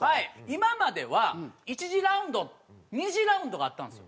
今までは１次ラウンド２次ラウンドがあったんですよ。